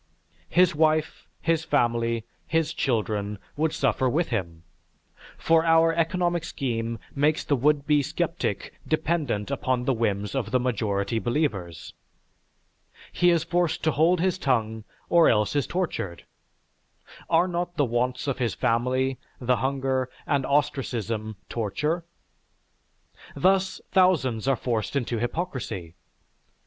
His wife, his family, his children, would suffer with him, for our economic scheme makes the would be sceptic dependent upon the whims of the majority believers. He is forced to hold his tongue, or else is tortured. Are not the wants of his family, the hunger, and ostracism torture? Thus thousands are forced into hypocrisy.